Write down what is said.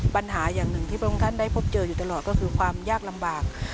ปัญหาอย่างหนึ่งที่พระองค์ท่านได้พบเจออยู่ตลอดก็คือความยากลำบาก